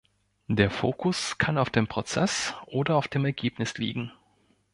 Der Fokus kann auf dem Prozess oder auf dem Ergebnis liegen.